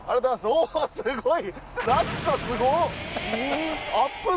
おすごい！